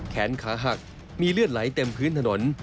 แขนขาหักมีเลือดไหลเต็มพื้นถนน